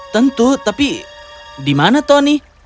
tentu tapi di mana tony